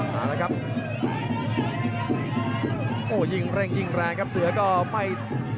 โหยิ่งเร็งยิ่งแรงครับเสือก็ไป